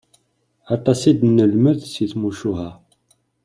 Aṭas i d-nelmed si tmucuha.